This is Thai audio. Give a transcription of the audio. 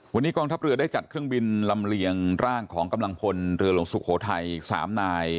วันนี้กองทัพเรือได้จัดเครื่องบินลำเลียงร่างของกำลังพลเรือหลวงสุโขทัยอีก๓นาย